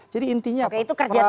jadi intinya pak prabowo adalah